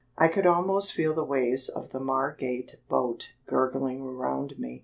I could almost feel the waves of the Margate boat gurgle around me.